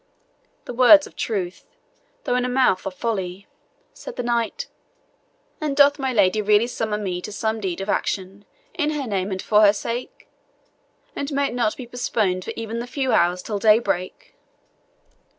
"The words of truth, though in the mouth of folly," said the knight. "And doth my lady really summon me to some deed of action, in her name and for her sake? and may it not be postponed for even the few hours till daybreak?"